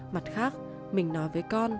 mặt khác mình nói với con